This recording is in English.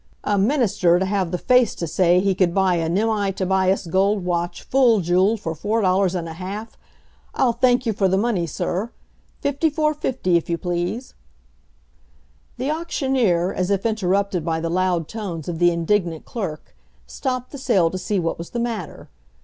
A minister to have the face to say he could buy an M. I. Tobias gold watch, full jeweled, for four dollars and a half! Ill thank you for the money, Sir. Fifty four, fifty, if you please." The auctioneer, as if interrupted by the loud tones of the indignant clerk, stopped the sale to see what was the matter.